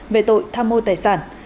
về tội tham mô tài sản